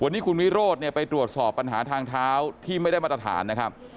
วันนี้คุณวิโรธเนี่ยไปตรวจสอบปัญหาทางเท้าที่ไม่ได้มาตรฐานนะครับ